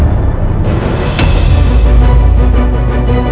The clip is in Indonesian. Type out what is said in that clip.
aku akan menang